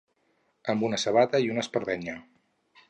Amb una sabata i una espardenya.